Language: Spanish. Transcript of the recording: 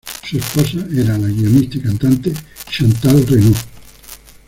Su esposa era la guionista y cantante Chantal Renaud.